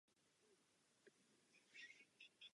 Kromě Číny se slaví i v jiných částech Východní Asie.